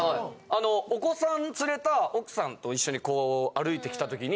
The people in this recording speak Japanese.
あのお子さん連れた奥さんと一緒にこう歩いてきた時に。